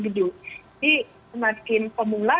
gede jadi semakin pemula